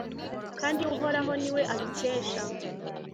kandi uhoraho ni we abikesha